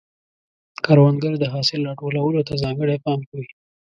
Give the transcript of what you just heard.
کروندګر د حاصل راټولولو ته ځانګړی پام کوي